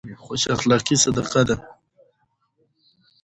خوش اخلاقي صدقه ده.